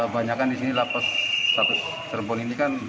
banyakkan di sini lapas satu kesambi cirebon ini kan